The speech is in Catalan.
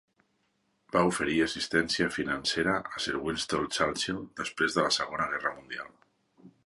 Va oferir assistència financera a Sir Winston Churchill després de la Segona Guerra Mundial.